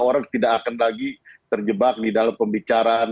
orang tidak akan lagi terjebak di dalam pembicaraan